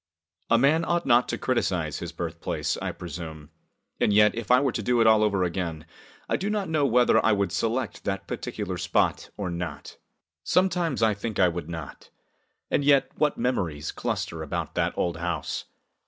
A man ought not to criticise his birthplace, I presume, and yet, if I were to do it all over again, I do not know whether I would select that particular spot or not. Sometimes I think I would not. And yet, what memories cluster about that old house!